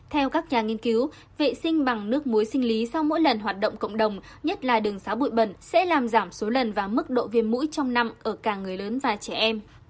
theo các nhà nghiên cứu vệ sinh bằng nước muối sinh lý sau mỗi lần hoạt động cộng đồng nhất là đường xá bụi bẩn sẽ làm giảm số lần và mức độ viêm mũi trong năm ở cả người lớn và trẻ em